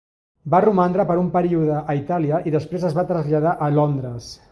Va romandre per un període a Itàlia i després es va traslladar a Londres.